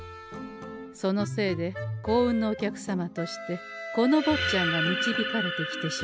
そのせいで幸運のお客様としてこのぼっちゃんが導かれてきてしまったと。